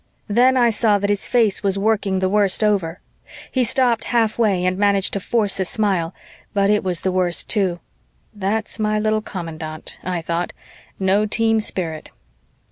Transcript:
Then I saw that his face was working the worst ever. He stopped halfway and managed to force a smile, but it was the worst, too. "That's my little commandant," I thought, "no team spirit."